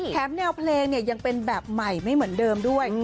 แค่แนวเพลงยังเป็นแบบใหม่ไม่เหมือนเดิมทั้งด้วย